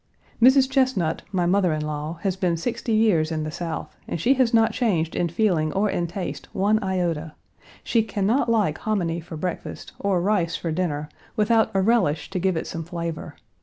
Page 170 Mrs. Chesnut, my mother in law, has been sixty years in the South, and she has not changed in feeling or in taste one iota. She can not like hominy for breakfast, or rice for dinner, without a relish to give it some flavor.